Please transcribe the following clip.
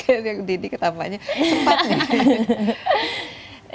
ini kayaknya didik tampaknya sempat nih